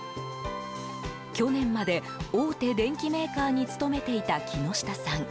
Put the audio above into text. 去年まで、大手電機メーカーに勤めていた木下さん。